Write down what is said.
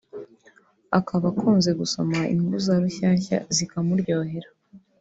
akaba akunze gusoma inkuru za Rushyashya zikamuryohera